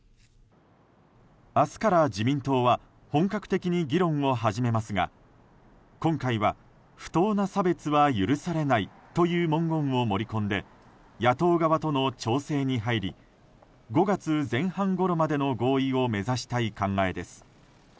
明日から自民党は本格的に議論を始めますが今回は、不当な差別は許されないという文言を盛り込んで野党側との調整に入り５月前半ごろまでの合意を目指したい考えです。